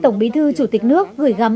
tổng bí thư chủ tịch nước gửi gắm